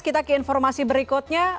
kita ke informasi berikutnya